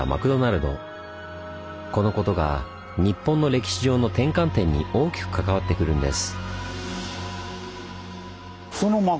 このことが日本の歴史上の転換点に大きく関わってくるんです。